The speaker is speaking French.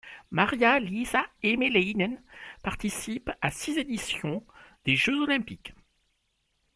Marja-Liisa Hämäläinen participe à six éditions des Jeux olympiques.